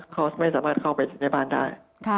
เขาไม่สามารถเข้าไปถึงในบ้านได้